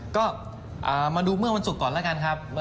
ก็มาดูเมื่อวันศุกร์ก่อนแล้วกันครับ